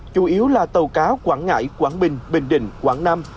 chủ yếu là tàu cá quảng ngãi quảng bình bình định quảng nam